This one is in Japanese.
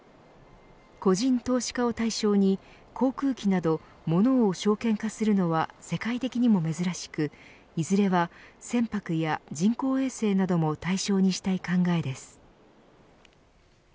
個人投資家を対象に航空機などモノを証券化するのは世界的にも珍しくいずれは船舶や人工衛星なども対象にしたい考えです。